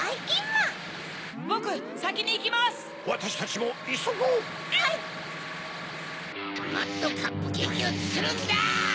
もっとカップケーキをつくるんだ！